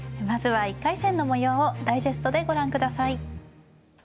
まずは１回戦のもようをダイジェストでご覧下さい。